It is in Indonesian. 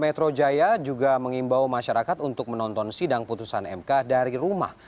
metro jaya juga mengimbau masyarakat untuk menonton sidang putusan mk dari rumah